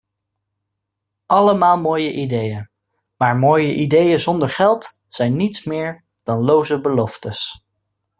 Allemaal mooie ideeën, maar mooie ideeën zonder geld zijn niets meer dan loze beloftes.